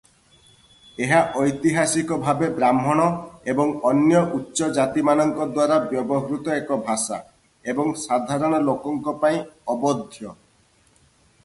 ଏହା ଐତିହାସିକ ଭାବେ ବ୍ରାହ୍ମଣ ଏବଂ ଅନ୍ୟ ଉଚ୍ଚ ଜାତିମାନଙ୍କ ଦ୍ୱାରା ବ୍ୟବହୃତ ଏକ ଭାଷା ଏବଂ ସାଧାରଣ ଲୋକଙ୍କ ପାଇଁ ଅବୋଧ୍ୟ ।